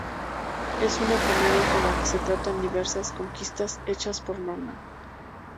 Es una comedia en la que se tratan diversas "conquistas" hechas por Norman.